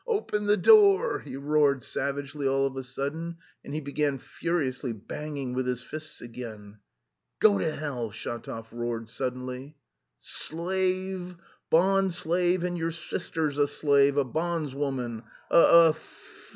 Open the door!" he roared savagely all of a sudden, and he began furiously banging with his fists again. "Go to hell!" Shatov roared suddenly. "S s slave! Bond slave, and your sister's a slave, a bondswoman... a th... th...